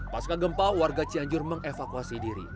pas ke gempa warga cianjur mengevakuasi diri